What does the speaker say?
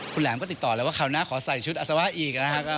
คุณแหลมก็ติดต่อแล้วว่าคราวหน้าขอใส่ชุดอัศวะอีกนะครับ